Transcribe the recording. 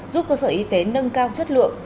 giúp cơ sở y tế nâng cao chất lượng